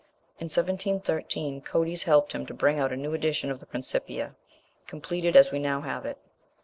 In 1713 Cotes helped him to bring out a new edition of the Principia, completed as we now have it.